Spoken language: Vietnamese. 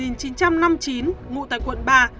ngụ tại quận ba